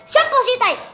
siap pak siti